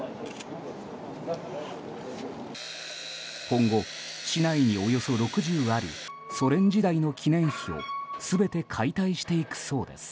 今後、市内におよそ６０あるソ連時代の記念碑を全て解体していくそうです。